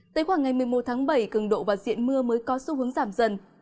tới khoảng ngày một mươi một tháng bảy cường độ và diện mưa mới có xu hướng giảm dần